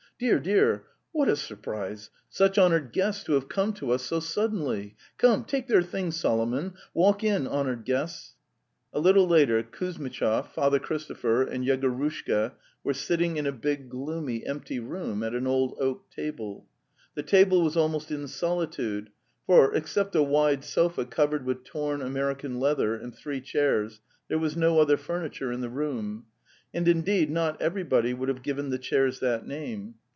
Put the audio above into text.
"Dear, dear! What a surprise! Such honoured guests to have come us so suddenly! Come, take their things, Solomon. Walk in, honoured guests." A little later Kuzmitchov, Father Christopher, and Yegorushka were sitting in a big gloomy empty room at an old oak table. The table was almost in solitude, for, except a wide sofa covered with torn American leather and three chairs, there was no other furniture in the room. And, indeed, not everybody would have given the chairs that name.